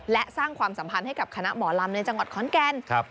และสร้างความสัมพันธ์ให้กับคณะหมอลำในจังหวัดขอนแก่น